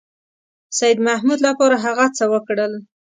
سیدمحمود لپاره هغه څه وکړل.